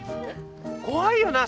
怖いよな